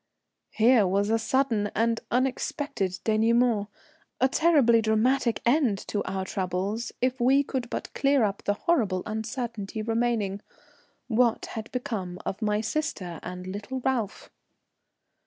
Here was a sudden and unexpected dénouement, a terribly dramatic end to our troubles if we could but clear up the horrible uncertainty remaining. What had become of my sister and little Ralph?